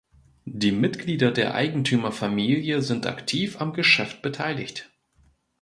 Die Mitglieder der Eigentümerfamilie sind aktiv am Geschäft beteiligt.